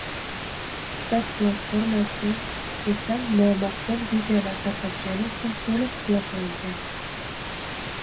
TikTok platformasi esa nomaqbul videolar tarqatgani uchun to‘liq bloklangan.